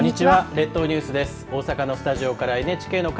列島ニュースです。